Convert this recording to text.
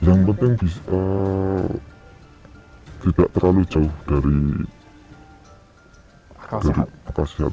yang penting bisa tidak terlalu jauh dari akal sehat